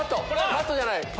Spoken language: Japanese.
マットじゃないの？